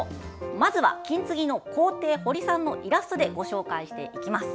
まずは、金継ぎの工程堀さんのイラストでご紹介していきます。